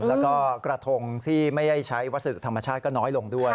แล้วก็กระทงที่ไม่ได้ใช้วัสดุธรรมชาติก็น้อยลงด้วย